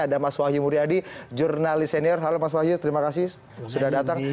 ada mas wahyu muryadi jurnalis senior halo mas wahyu terima kasih sudah datang